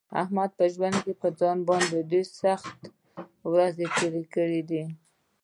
احمد په ژوند کې په ځان باندې ډېرې سختې ورځې تېرې کړې دي.